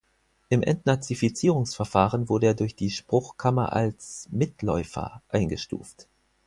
Im Entnazifizierungsverfahren wurde er durch die Spruchkammer als "Mitläufer" eingestuft.